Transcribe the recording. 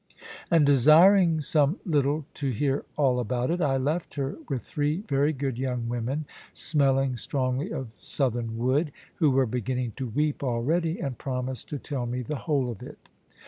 And desiring some little to hear all about it, I left her with three very good young women, smelling strongly of southernwood, who were beginning to weep already, and promised to tell me the whole of it.